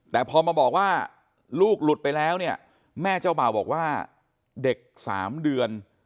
แต่พอมาบอกว่าลูกหลุดไปแล้วเนี่ยแม่เจ้าบ่าวบอกว่าเด็ก๓เดือน